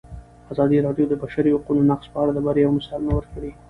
ازادي راډیو د د بشري حقونو نقض په اړه د بریاوو مثالونه ورکړي.